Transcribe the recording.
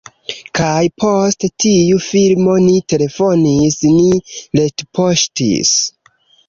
kaj post tiu filmo ni telefonis, ni retpoŝtis